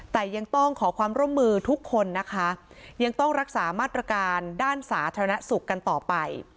แต่ยังต้องขอความร่วมมือทุกคนนะคะยังต้องรักษามาตรการด้านสาธารณสุขกันต่อไป